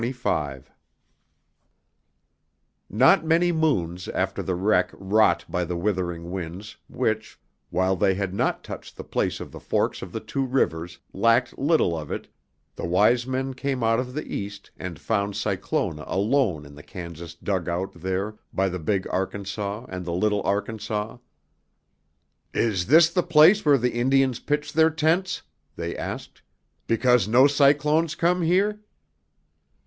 Not many moons after the wreck wrought by the withering winds, which, while they had not touched the place of the forks of the two rivers, lacked little of it, the Wise Men came out of the East and found Cyclona alone in the Kansas dugout there by the Big Arkansas and the Little Arkansas. "Is this the place where the Indians pitched their tents?" they asked, "because no cyclones come here?"